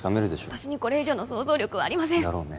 私にこれ以上の想像力はありませんだろうね